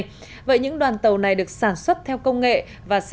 trên truyền hình nhân dân đã có cuộc phỏng vấn ông oliver rosoy